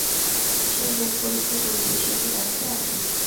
সে বুক পরীক্ষা করিবে, সে কি ডাক্তার?